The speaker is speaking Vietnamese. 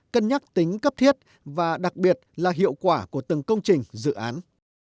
cân nhắc tính cấp thiết và đặc biệt là hiệu quả của từng công trình dự án